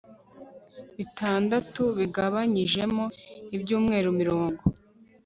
bitandatu bigabanyijemo ibyumweru mirongo